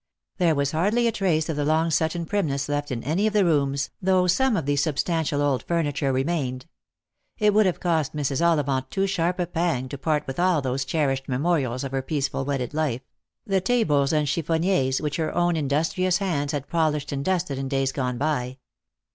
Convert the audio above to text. There was hardly a trace of the Long Sutton primness left in any of the rooms, though some of the substantial old furniture remained. It would have cost Mrs. Ollivant too sharp a pang to part with all these cherished memorials of her peaceful wedded life ; the tables and chiffoniers which her own industrious hands had polished a,nd dusted in days gone by.